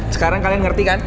sekarang kalian ngerti kan